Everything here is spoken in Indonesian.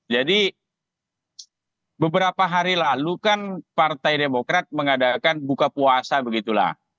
jadi beberapa hari lalu kan partai demokrat mengadakan buka puasa begitu